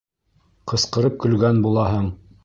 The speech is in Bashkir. Ҡысҡырып көлгән булаһың.